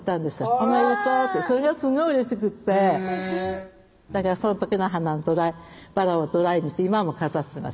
「おめでとう」ってそれがすごいうれしくってだからその時の花ばらをドライにして今も飾ってます